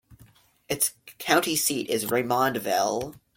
Its county seat is Raymondville.